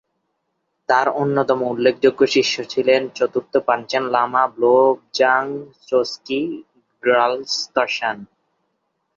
তার অন্যতম উল্লেখযোগ্য শিষ্য ছিলেন চতুর্থ পাঞ্চেন লামা ব্লো-ব্জাং-ছোস-ক্যি-র্গ্যাল-ম্ত্শান।